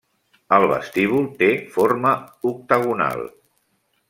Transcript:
El vestíbul té forma octagonal.